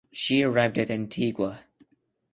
She arrived at Antigua.